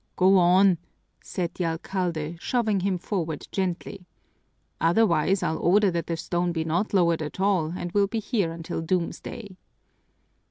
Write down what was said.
"Go on!" said the alcalde, shoving him forward gently. "Otherwise, I'll order that the stone be not lowered at all and we'll be here until doomsday."